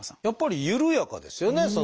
やっぱり緩やかですよね